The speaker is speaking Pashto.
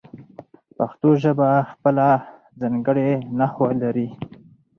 پښتو ژبه خپله ځانګړې نحو لري.